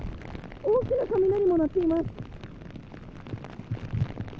大きな雷も鳴っています。